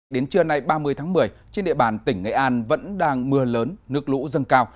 đến trưa nay ba mươi tháng một mươi trên địa bàn tỉnh nghệ an vẫn đang mưa lớn nước lũ dâng cao